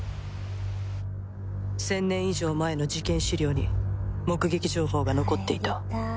１０００年以上前の事件資料に目撃情報が残っていた。